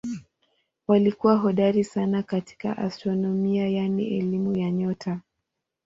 Walikuwa hodari sana katika astronomia yaani elimu ya nyota.